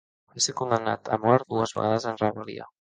Va ser condemnat a mort dues vegades en rebel·lia.